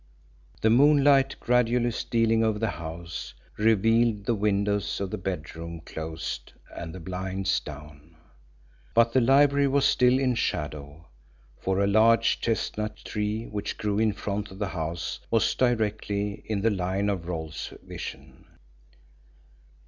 The moonlight, gradually stealing over the house, revealed the windows of the bedroom closed and the blinds down, but the library was still in shadow, for a large chestnut tree which grew in front of the house was directly in the line of Rolfe's vision.